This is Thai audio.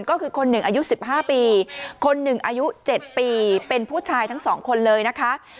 ก็คือคนหนึ่งอายุ๑๕ปีคนหนึ่งอายุ๗ปีเป็นผู้ชายทั้ง๒คนเลยนะคะ